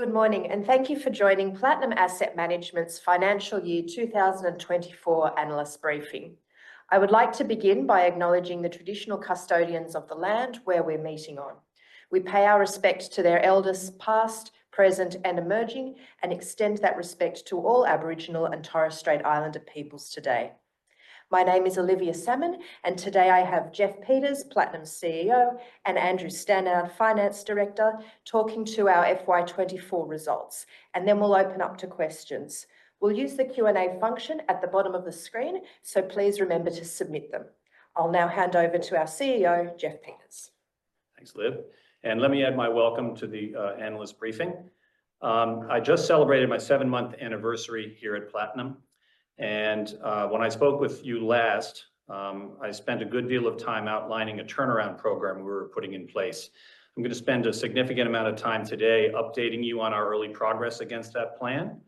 Good morning, and thank you for joining Platinum Asset Management's Financial Year 2024 analyst briefing. I would like to begin by acknowledging the traditional custodians of the land where we're meeting on. We pay our respect to their elders, past, present, and emerging, and extend that respect to all Aboriginal and Torres Strait Islander peoples today. My name is Olivia Salmon, and today I have Jeff Peters, Platinum's CEO, and Andrew Stannard, Finance Director, talking to our FY 2024 results, and then we'll open up to questions. We'll use the Q&A function at the bottom of the screen, so please remember to submit them. I'll now hand over to our CEO, Jeff Peters. Thanks, Liv, and let me add my welcome to the analyst briefing. I just celebrated my seven-month anniversary here at Platinum, and when I spoke with you last, I spent a good deal of time outlining a turnaround program we were putting in place. I'm gonna spend a significant amount of time today updating you on our early progress against that plan,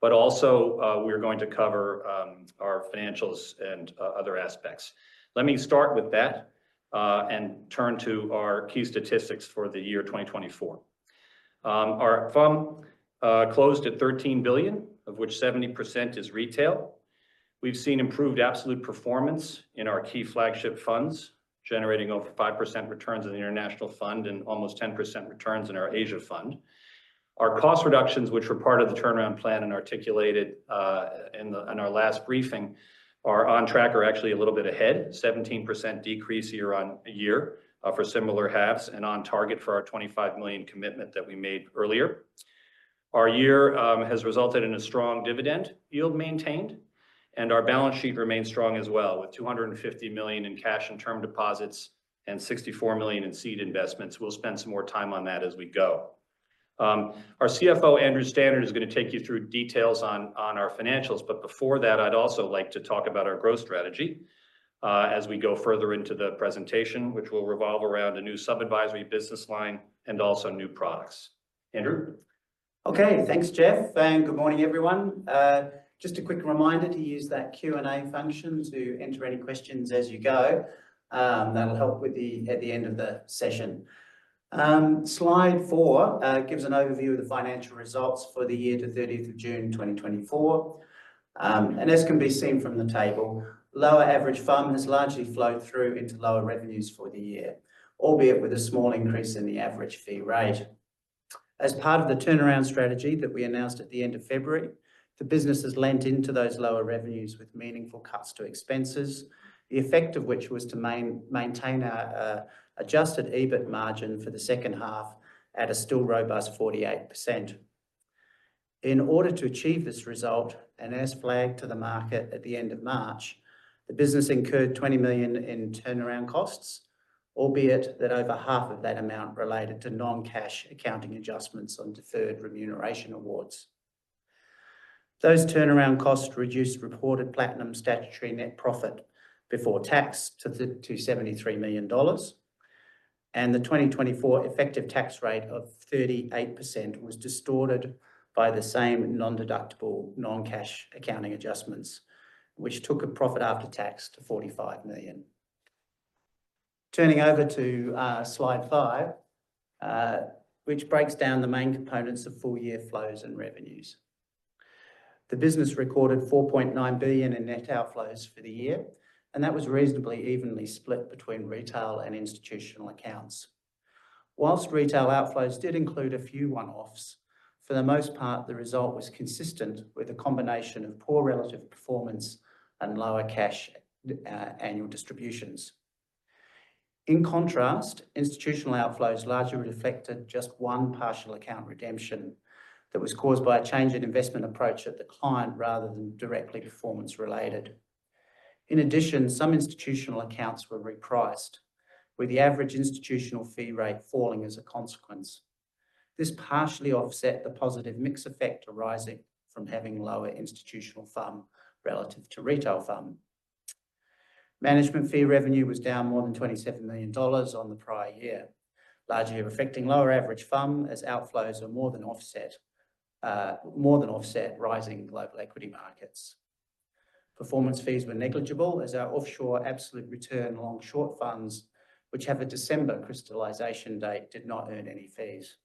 but also, we're going to cover our financials and other aspects. Let me start with that and turn to our key statistics for the year 2024. Our FUM closed at 13 billion, of which 70% is retail. We've seen improved absolute performance in our key flagship funds, generating over 5% returns in the International Fund and almost 10% returns in our Asia Fund. Our cost reductions, which were part of the turnaround plan and articulated in our last briefing, are on track or actually a little bit ahead, 17% decrease year-on-year for similar halves, and on target for our 25 million commitment that we made earlier. Our year has resulted in a strong dividend yield maintained, and our balance sheet remains strong as well, with 250 million in cash and term deposits and 64 million in seed investments. We'll spend some more time on that as we go. Our CFO, Andrew Stannard, is gonna take you through details on our financials, but before that, I'd also like to talk about our growth strategy as we go further into the presentation, which will revolve around a new sub-advisory business line and also new products. Andrew? Okay, thanks, Jeff, and good morning, everyone. Just a quick reminder to use that Q&A function to enter any questions as you go. That'll help at the end of the session. Slide four gives an overview of the financial results for the year to 30th of June 2024, and as can be seen from the table, lower average FUM has largely flowed through into lower revenues for the year, albeit with a small increase in the average fee rate. As part of the turnaround strategy that we announced at the end of February, the business has leaned into those lower revenues with meaningful cuts to expenses, the effect of which was to maintain our adjusted EBIT margin for the second half at a still robust 48%. In order to achieve this result, and as flagged to the market at the end of March, the business incurred 20 million in turnaround costs, albeit that over half of that amount related to non-cash accounting adjustments on deferred remuneration awards. Those turnaround costs reduced reported Platinum statutory net profit before tax to 73 million dollars, and the 2024 effective tax rate of 38% was distorted by the same non-deductible, non-cash accounting adjustments, which took a profit after tax to 45 million. Turning over to slide 5, which breaks down the main components of full-year flows and revenues. The business recorded 4.9 billion in net outflows for the year, and that was reasonably evenly split between retail and institutional accounts. While retail outflows did include a few one-offs, for the most part, the result was consistent with a combination of poor relative performance and lower cash annual distributions. In contrast, institutional outflows largely reflected just one partial account redemption that was caused by a change in investment approach at the client rather than directly performance-related. In addition, some institutional accounts were repriced, with the average institutional fee rate falling as a consequence. This partially offset the positive mix effect arising from having lower institutional FUM relative to retail FUM. Management fee revenue was down more than 27 million dollars on the prior year, largely reflecting lower average FUM, as outflows are more than offset rising global equity markets. Performance fees were negligible as our offshore absolute return long-short funds, which have a December crystallization date, did not earn any fees.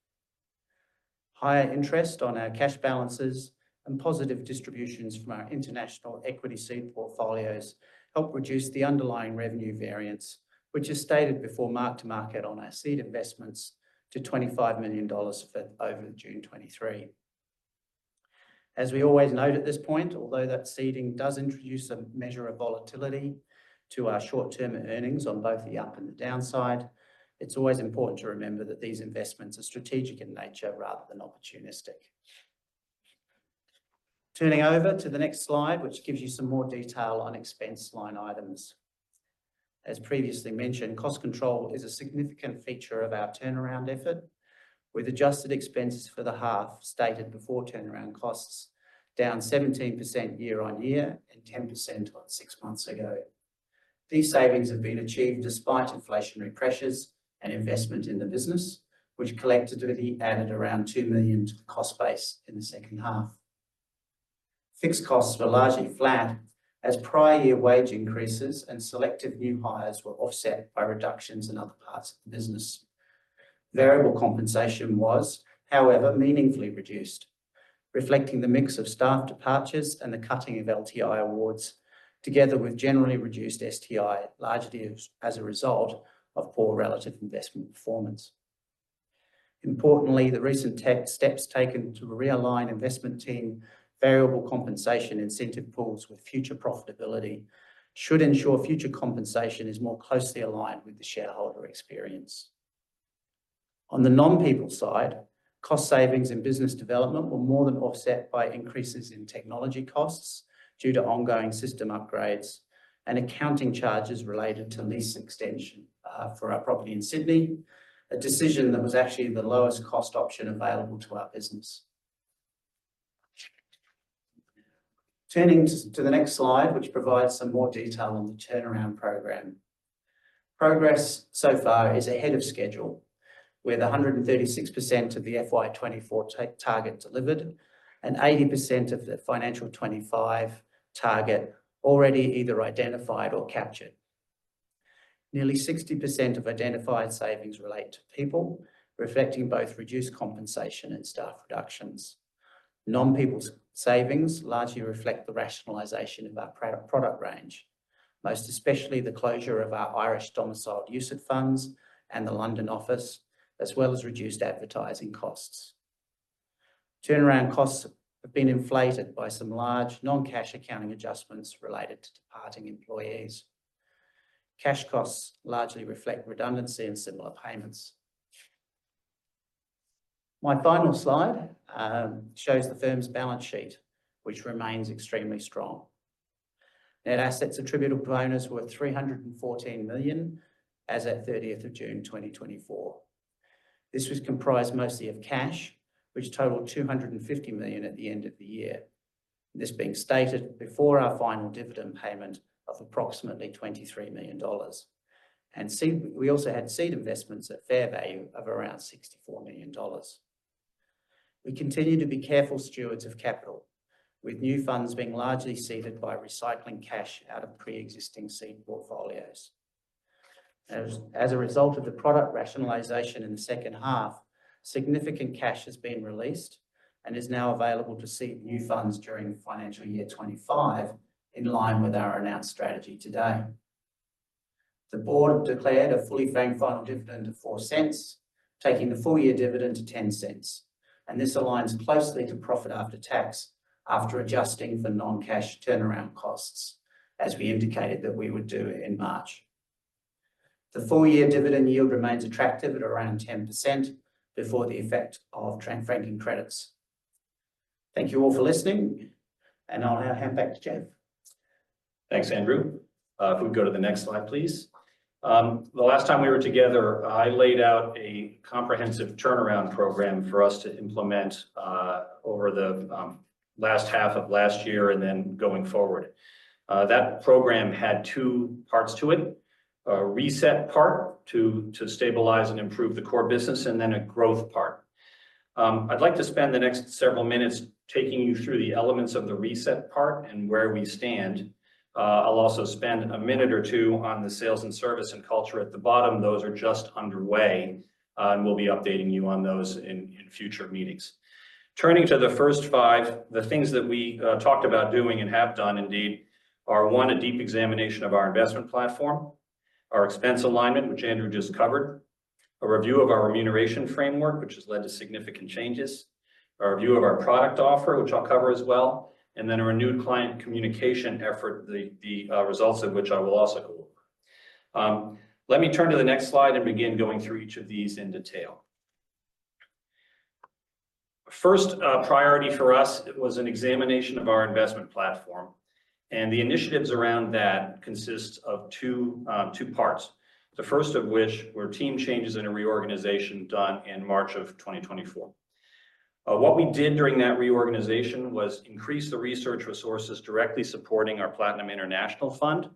Higher interest on our cash balances and positive distributions from our international equity seed portfolios helped reduce the underlying revenue variance, which is stated before mark-to-market on our seed investments to 25 million dollars for the half year ended June 2023. As we always note at this point, although that seeding does introduce a measure of volatility to our short-term earnings on both the up and the downside, it's always important to remember that these investments are strategic in nature rather than opportunistic. Turning to the next slide, which gives you some more detail on expense line items. As previously mentioned, cost control is a significant feature of our turnaround effort, with adjusted expenses for the half stated before turnaround costs down 17% year-on-year and 10% on six months ago. These savings have been achieved despite inflationary pressures and investment in the business, which collectively added around 2 million to the cost base in the second half. Fixed costs were largely flat, as prior year wage increases and selective new hires were offset by reductions in other parts of the business. Variable compensation was, however, meaningfully reduced, reflecting the mix of staff departures and the cutting of LTI awards, together with generally reduced STI, largely as a result of poor relative investment performance. Importantly, the recent steps taken to realign investment team variable compensation incentive pools with future profitability should ensure future compensation is more closely aligned with the shareholder experience. On the non-people side, cost savings and business development were more than offset by increases in technology costs due to ongoing system upgrades and accounting charges related to lease extension for our property in Sydney, a decision that was actually the lowest cost option available to our business. Turning to the next slide, which provides some more detail on the turnaround program. Progress so far is ahead of schedule, with 136% of the FY 2024 target delivered, and 80% of the financial 2025 target already either identified or captured. Nearly 60% of identified savings relate to people, reflecting both reduced compensation and staff reductions. Non-people's savings largely reflect the rationalization of our product range, most especially the closure of our Irish-domiciled UCITS funds and the London office, as well as reduced advertising costs. Turnaround costs have been inflated by some large non-cash accounting adjustments related to departing employees. Cash costs largely reflect redundancy and similar payments. My final slide shows the firm's balance sheet, which remains extremely strong. Net assets attributable to owners were 314 million as at 30th of June, 2024. This was comprised mostly of cash, which totaled 250 million at the end of the year. This being stated before our final dividend payment of approximately 23 million dollars. We also had seed investments at fair value of around 64 million dollars. We continue to be careful stewards of capital, with new funds being largely seeded by recycling cash out of pre-existing seed portfolios. As a result of the product rationalization in the second half, significant cash has been released and is now available to seed new funds during financial year 2025, in line with our announced strategy today. The board have declared a fully franked final dividend of 0.04, taking the full year dividend to 0.10, and this aligns closely to profit after tax, after adjusting for non-cash turnaround costs, as we indicated that we would do in March. The full year dividend yield remains attractive at around 10% before the effect of franking credits. Thank you all for listening, and I'll now hand back to Jeff. Thanks, Andrew. If we go to the next slide, please. The last time we were together, I laid out a comprehensive turnaround program for us to implement over the last half of last year and then going forward. That program had two parts to it: a reset part, to stabilize and improve the core business, and then a growth part. I'd like to spend the next several minutes taking you through the elements of the reset part and where we stand. I'll also spend a minute or two on the sales and service and culture at the bottom. Those are just underway, and we'll be updating you on those in future meetings. Turning to the first five, the things that we talked about doing and have done indeed are, one, a deep examination of our investment platform. Our expense alignment, which Andrew just covered. A review of our remuneration framework, which has led to significant changes. A review of our product offer, which I'll cover as well. And then a renewed client communication effort, the results of which I will also go over. Let me turn to the next slide and begin going through each of these in detail. First, priority for us was an examination of our investment platform, and the initiatives around that consists of two parts. The first of which were team changes and a reorganization done in March of 2024. What we did during that reorganization was increase the research resources directly supporting our Platinum International Fund,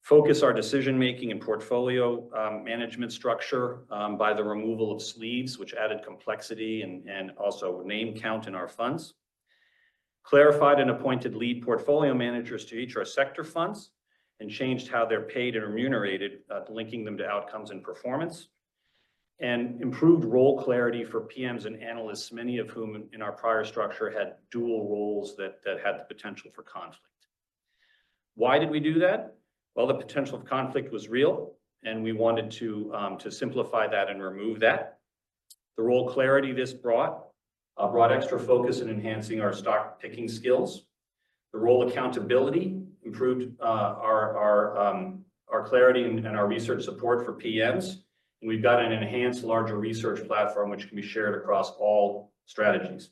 focus our decision-making and portfolio management structure by the removal of sleeves, which added complexity and also name count in our funds, clarified and appointed lead portfolio managers to each of our sector funds, and changed how they're paid and remunerated, linking them to outcomes and performance, and improved role clarity for PMs and analysts, many of whom in our prior structure had dual roles that had the potential for conflict. Why did we do that? Well, the potential for conflict was real, and we wanted to simplify that and remove that. The role clarity this brought brought extra focus in enhancing our stock-picking skills. The role accountability improved our clarity and our research support for PMs. And we've got an enhanced larger research platform, which can be shared across all strategies.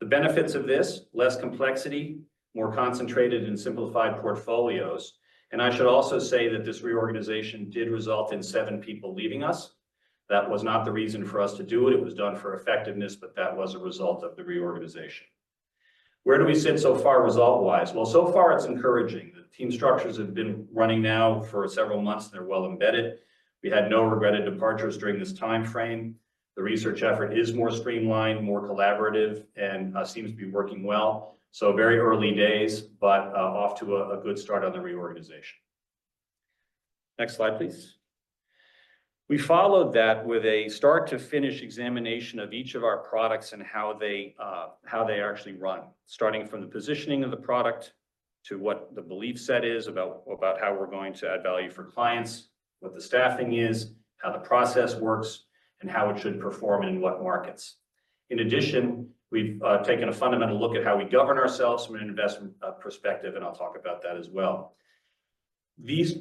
The benefits of this, less complexity, more concentrated and simplified portfolios. And I should also say that this reorganization did result in seven people leaving us. That was not the reason for us to do it. It was done for effectiveness, but that was a result of the reorganization. Where do we sit so far, result-wise? Well, so far, it's encouraging. The team structures have been running now for several months. They're well embedded. We had no regretted departures during this time frame. The research effort is more streamlined, more collaborative, and seems to be working well. So very early days, but off to a good start on the reorganization. Next slide, please. We followed that with a start-to-finish examination of each of our products and how they actually run, starting from the positioning of the product to what the belief set is about how we're going to add value for clients, what the staffing is, how the process works, and how it should perform in what markets. In addition, we've taken a fundamental look at how we govern ourselves from an investment perspective, and I'll talk about that as well. This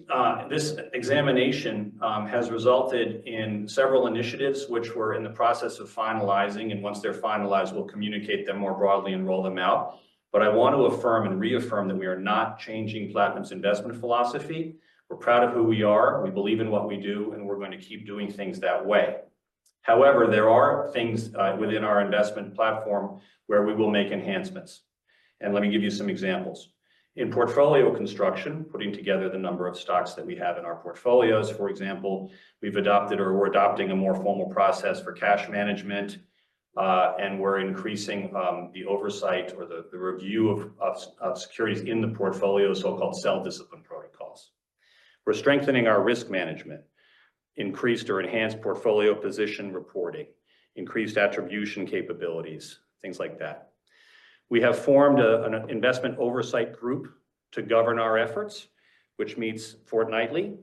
examination has resulted in several initiatives which we're in the process of finalizing, and once they're finalized, we'll communicate them more broadly and roll them out. But I want to affirm and reaffirm that we are not changing Platinum's investment philosophy. We're proud of who we are, we believe in what we do, and we're going to keep doing things that way. However, there are things within our investment platform where we will make enhancements. And let me give you some examples. In portfolio construction, putting together the number of stocks that we have in our portfolios, for example, we've adopted or we're adopting a more formal process for cash management, and we're increasing the oversight or the review of securities in the portfolio, so-called sell discipline protocols. We're strengthening our risk management, increased or enhanced portfolio position reporting, increased attribution capabilities, things like that. We have formed an investment oversight group to govern our efforts, which meets fortnightly,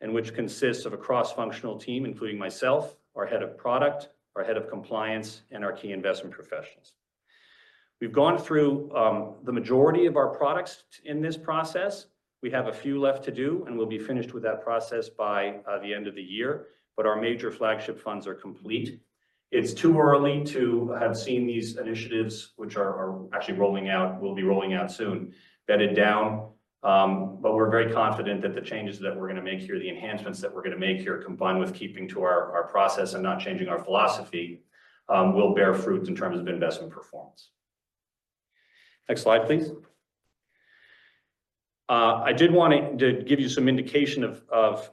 and which consists of a cross-functional team, including myself, our head of product, our head of compliance, and our key investment professionals. We've gone through the majority of our products in this process. We have a few left to do, and we'll be finished with that process by the end of the year, but our major flagship funds are complete. It's too early to have seen these initiatives, which are actually rolling out, will be rolling out soon, bedded down. But we're very confident that the changes that we're gonna make here, the enhancements that we're gonna make here, combined with keeping to our process and not changing our philosophy, will bear fruit in terms of investment performance. Next slide, please. I did want to give you some indication of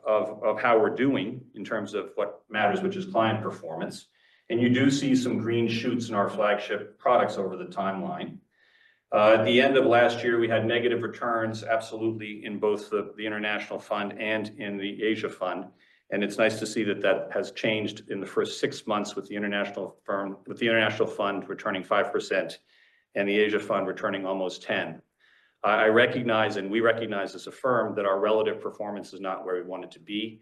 how we're doing in terms of what matters, which is client performance, and you do see some green shoots in our flagship products over the timeline. At the end of last year, we had negative returns, absolutely, in both the International Fund and in the Asia Fund, and it's nice to see that that has changed in the first six months with the International Fund returning 5% and the Asia Fund returning almost 10%. I recognize, and we recognize as a firm, that our relative performance is not where we want it to be,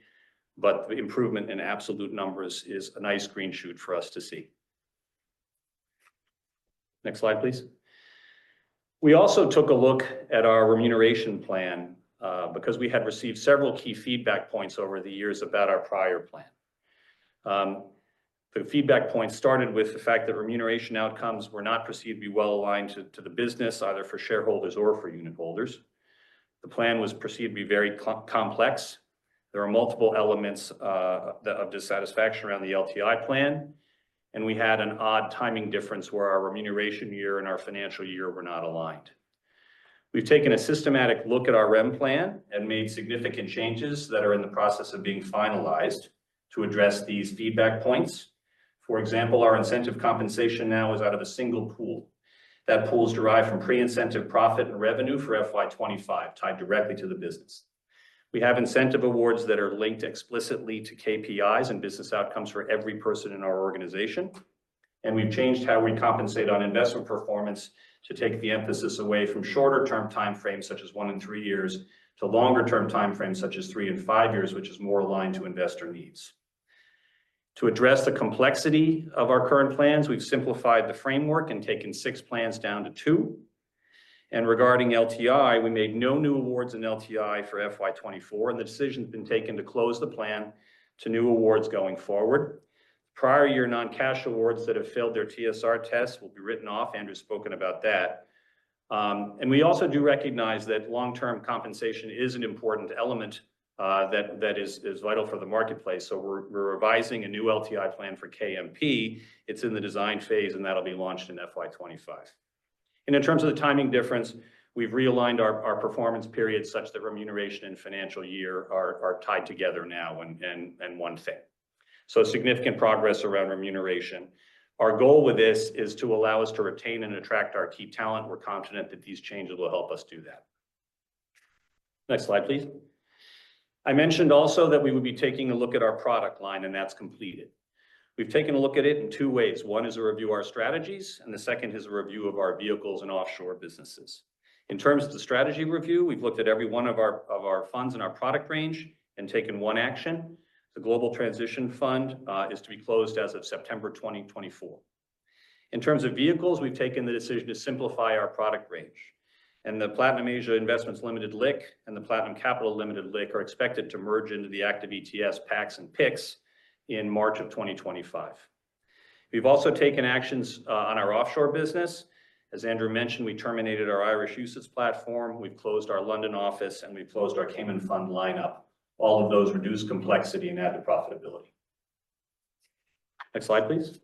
but the improvement in absolute numbers is a nice green shoot for us to see. Next slide, please. We also took a look at our remuneration plan, because we had received several key feedback points over the years about our prior plan. The feedback points started with the fact that remuneration outcomes were not perceived to be well-aligned to the business, either for shareholders or for unit holders. The plan was perceived to be very complex. There were multiple elements of dissatisfaction around the LTI plan, and we had an odd timing difference where our remuneration year and our financial year were not aligned. We've taken a systematic look at our rem plan and made significant changes that are in the process of being finalized to address these feedback points. For example, our incentive compensation now is out of a single pool. That pool is derived from pre-incentive profit and revenue for FY 2025, tied directly to the business. We have incentive awards that are linked explicitly to KPIs and business outcomes for every person in our organization, and we've changed how we compensate on investment performance to take the emphasis away from shorter-term time frames, such as one and three years, to longer-term time frames, such as three and five years, which is more aligned to investor needs. To address the complexity of our current plans, we've simplified the framework and taken six plans down to two. Regarding LTI, we made no new awards in LTI for FY 2024, and the decision's been taken to close the plan to new awards going forward. Prior year non-cash awards that have failed their TSR tests will be written off. Andrew's spoken about that. And we also do recognize that long-term compensation is an important element, that is vital for the marketplace, so we're revising a new LTI plan for KMP. It's in the design phase, and that'll be launched in FY 2025. And in terms of the timing difference, we've realigned our performance periods such that remuneration and financial year are tied together now and one thing. So significant progress around remuneration. Our goal with this is to allow us to retain and attract our key talent. We're confident that these changes will help us do that. Next slide, please. I mentioned also that we would be taking a look at our product line, and that's completed. We've taken a look at it in two ways. One is a review of our strategies, and the second is a review of our vehicles and offshore businesses. In terms of the strategy review, we've looked at every one of our funds in our product range and taken one action. The Global Transition Fund is to be closed as of September 2024. In terms of vehicles, we've taken the decision to simplify our product range, and the Platinum Asia Investments Limited LIC and the Platinum Capital Limited LIC are expected to merge into the active ETF PAXX and PIXX in March 2025. We've also taken actions on our offshore business. As Andrew mentioned, we terminated our Irish UCITS platform, we've closed our London office, and we've closed our Cayman fund lineup. All of those reduce complexity and add to profitability. Next slide, please.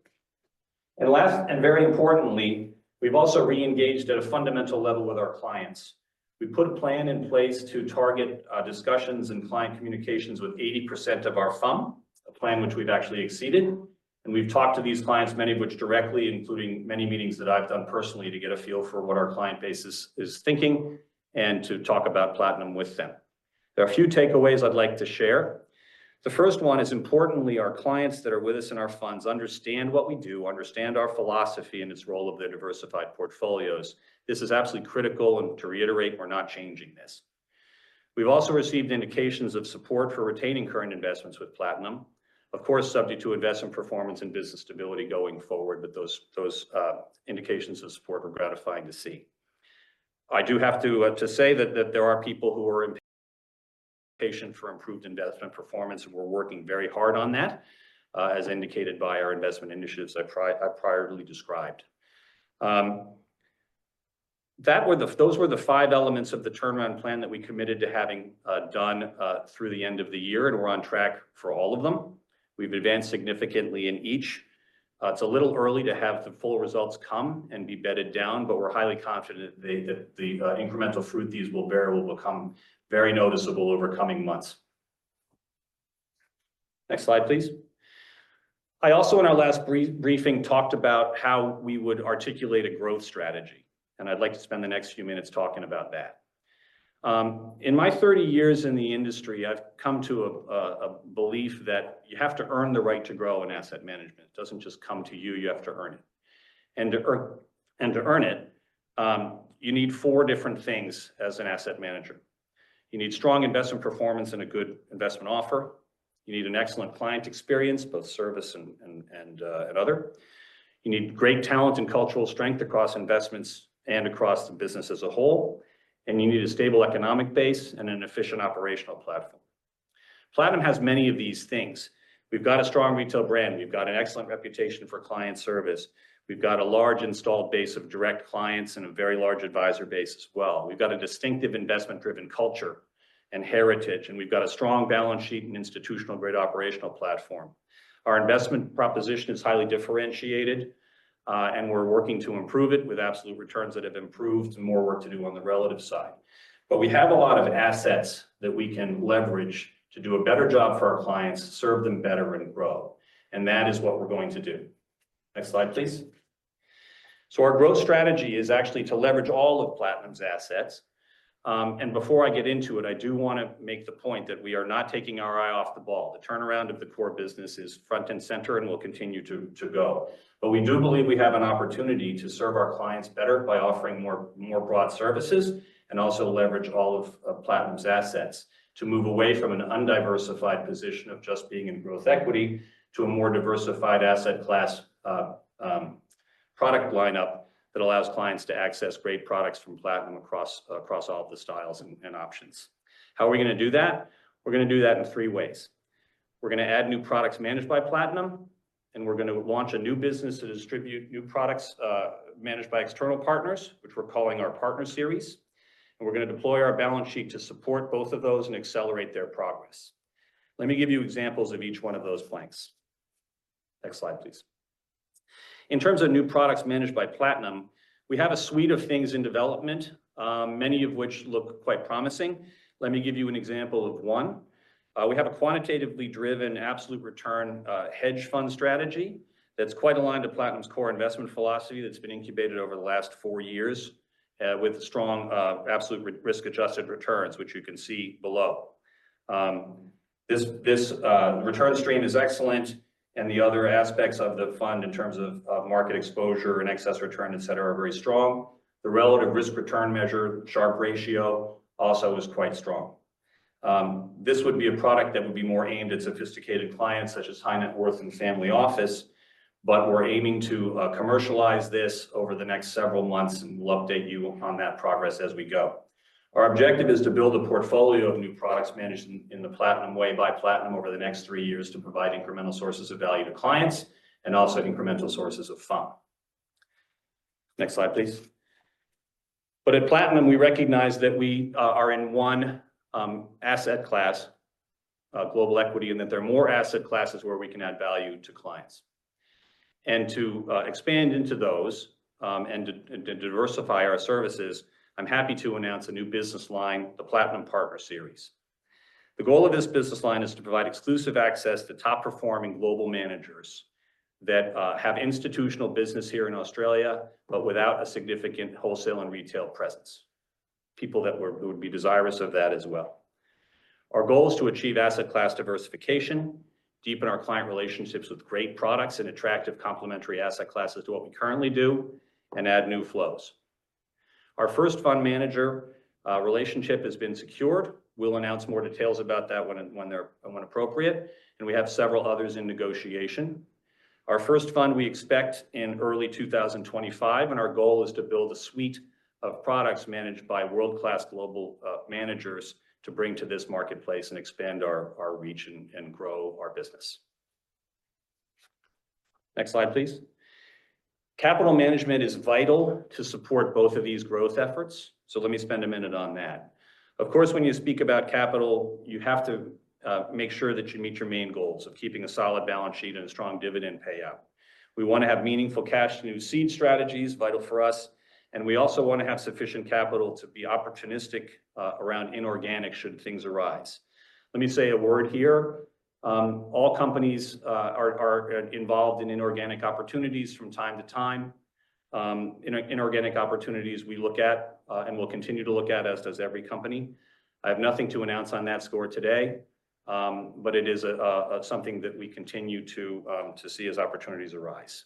And last, and very importantly, we've also reengaged at a fundamental level with our clients. We put a plan in place to target discussions and client communications with 80% of our firm, a plan which we've actually exceeded, and we've talked to these clients, many of which directly, including many meetings that I've done personally, to get a feel for what our client base is thinking and to talk about Platinum with them. There are a few takeaways I'd like to share. The first one is, importantly, our clients that are with us in our funds understand what we do, understand our philosophy and its role of their diversified portfolios. This is absolutely critical, and to reiterate, we're not changing this. We've also received indications of support for retaining current investments with Platinum, of course, subject to investment performance and business stability going forward, but those indications of support are gratifying to see. I do have to say that there are people who are impatient for improved investment performance, and we're working very hard on that, as indicated by our investment initiatives I previously described. Those were the five elements of the turnaround plan that we committed to having done through the end of the year, and we're on track for all of them. We've advanced significantly in each. It's a little early to have the full results come and be bedded down, but we're highly confident that the incremental fruit these will bear will become very noticeable over coming months. Next slide, please. I also, in our last briefing, talked about how we would articulate a growth strategy, and I'd like to spend the next few minutes talking about that. In my 30 years in the industry, I've come to a belief that you have to earn the right to grow in asset management. It doesn't just come to you, you have to earn it. And to earn it, you need four different things as an asset manager. You need strong investment performance and a good investment offer. You need an excellent client experience, both service and other. You need great talent and cultural strength across investments and across the business as a whole. And you need a stable economic base and an efficient operational platform. Platinum has many of these things. We've got a strong retail brand. We've got an excellent reputation for client service. We've got a large installed base of direct clients and a very large advisor base as well. We've got a distinctive investment-driven culture and heritage, and we've got a strong balance sheet and institutional grade operational platform. Our investment proposition is highly differentiated, and we're working to improve it with absolute returns that have improved, and more work to do on the relative side. But we have a lot of assets that we can leverage to do a better job for our clients, serve them better and grow. And that is what we're going to do. Next slide, please. So our growth strategy is actually to leverage all of Platinum's assets. And before I get into it, I do wanna make the point that we are not taking our eye off the ball. The turnaround of the core business is front and center and will continue to go. But we do believe we have an opportunity to serve our clients better by offering more broad services and also leverage all of Platinum's assets to move away from an undiversified position of just being in growth equity to a more diversified asset class, product lineup that allows clients to access great products from Platinum across all the styles and options. How are we gonna do that? We're gonna do that in three ways. We're gonna add new products managed by Platinum, and we're gonna launch a new business to distribute new products, managed by external partners, which we're calling our partner series. And we're gonna deploy our balance sheet to support both of those and accelerate their progress. Let me give you examples of each one of those flanks. Next slide, please. In terms of new products managed by Platinum, we have a suite of things in development, many of which look quite promising. Let me give you an example of one. We have a quantitatively driven, absolute return, hedge fund strategy that's quite aligned to Platinum's core investment philosophy, that's been incubated over the last four years, with strong, absolute risk-adjusted returns, which you can see below. This return stream is excellent, and the other aspects of the fund in terms of market exposure and excess return, et cetera, are very strong. The relative risk return measure, Sharpe ratio, also is quite strong. This would be a product that would be more aimed at sophisticated clients, such as high net worth and family office, but we're aiming to commercialize this over the next several months, and we'll update you on that progress as we go. Our objective is to build a portfolio of new products managed in the Platinum way by Platinum over the next three years to provide incremental sources of value to clients and also incremental sources of firm. Next slide, please. But at Platinum, we recognize that we are in one asset class, global equity, and that there are more asset classes where we can add value to clients. And to expand into those and to diversify our services, I'm happy to announce a new business line, the Platinum Partner Series. The goal of this business line is to provide exclusive access to top-performing global managers that have institutional business here in Australia, but without a significant wholesale and retail presence. People that would be desirous of that as well. Our goal is to achieve asset class diversification, deepen our client relationships with great products and attractive complementary asset classes to what we currently do, and add new flows. Our first fund manager relationship has been secured. We'll announce more details about that when they're appropriate, and we have several others in negotiation. Our first fund, we expect in early 2025, and our goal is to build a suite of products managed by world-class global managers to bring to this marketplace and expand our reach and grow our business. Next slide, please. Capital management is vital to support both of these growth efforts, so let me spend a minute on that. Of course, when you speak about capital, you have to make sure that you meet your main goals of keeping a solid balance sheet and a strong dividend payout. We wanna have meaningful cash, new seed strategies, vital for us, and we also wanna have sufficient capital to be opportunistic around inorganic should things arise. Let me say a word here. All companies are involved in inorganic opportunities from time to time. Inorganic opportunities we look at, and we'll continue to look at, as does every company. I have nothing to announce on that score today, but it is something that we continue to see as opportunities arise.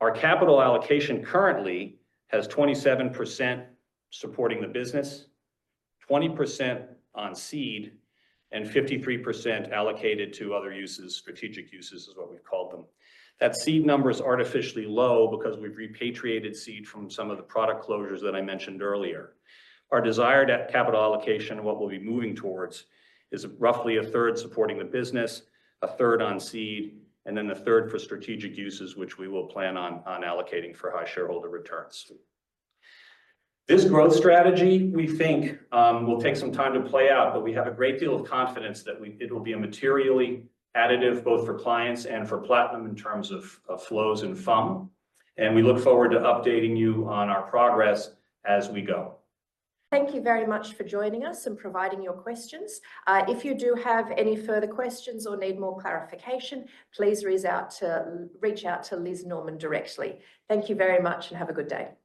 Our capital allocation currently has 27% supporting the business, 20% on seed, and 53% allocated to other uses, strategic uses, is what we've called them. That seed number is artificially low because we've repatriated seed from some of the product closures that I mentioned earlier. Our desired capital allocation, what we'll be moving towards, is roughly a third supporting the business, a third on seed, and then a third for strategic uses, which we will plan on allocating for high shareholder returns. This growth strategy, we think, will take some time to play out, but we have a great deal of confidence that it will be a materially additive, both for clients and for Platinum, in terms of flows and firm, and we look forward to updating you on our progress as we go. Thank you very much for joining us and providing your questions. If you do have any further questions or need more clarification, please reach out to Liz Norman directly. Thank you very much, and have a good day.